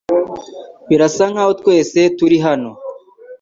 Birasa nkaho twese turi hano .